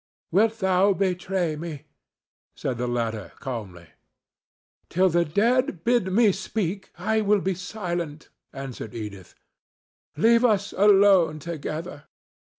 "Wilt thou betray me?" said the latter, calmly. "Till the dead bid me speak I will be silent," answered Edith. "Leave us alone together.